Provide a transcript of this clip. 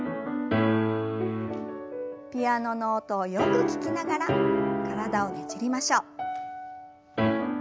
ピアノの音をよく聞きながら体をねじりましょう。